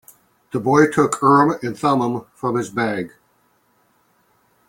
The boy took out Urim and Thummim from his bag.